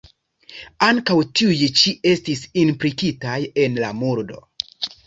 Ankaŭ tiuj ĉi estis implikitaj en la murdo.